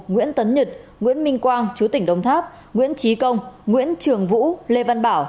nguyễn tấn nhật nguyễn minh quang chú tỉnh đồng tháp nguyễn trí công nguyễn trường vũ lê văn bảo